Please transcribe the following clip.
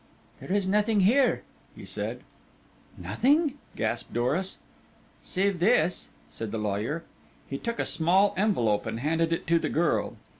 "There is nothing here," he said. "Nothing!" gasped Doris. "Save this," said the lawyer. He took a small envelope and handed it to the girl.